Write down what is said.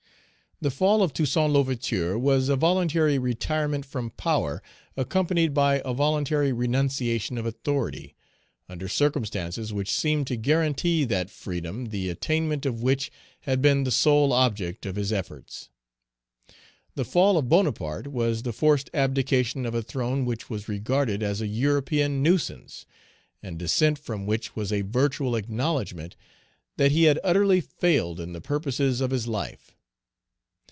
The fall of Toussaint L'Ouverture was a voluntary retirement from power, accompanied by a voluntary renunciation of authority, under circumstances which seemed to guarantee that freedom the attainment of which had been the sole object of his efforts; the fall of Bonaparte was the forced abdication of a throne which was regarded as a European nuisance, and descent from which was a virtual acknowledgment that he had utterly failed in the purposes of his life.